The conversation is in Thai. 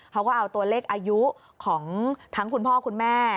เขาก็เอาตัวเลขอายุของทั้งคุณพ่อคุณแม่